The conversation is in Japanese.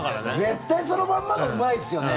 絶対そのまんまがうまいですよね。